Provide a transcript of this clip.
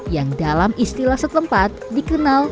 yang dalam istilah setempat dikenal